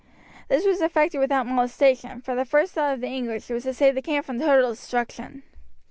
This was effected without molestation, for the first thought of the English was to save the camp from total destruction.